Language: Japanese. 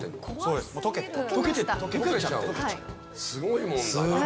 すごいもんだな。